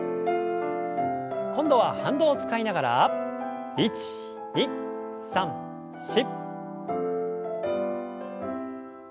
今度は反動を使いながら１２３４！